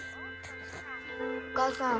お母さん。